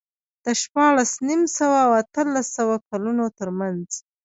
د شپاړس نیم سوه او اتلس سوه کلونو ترمنځ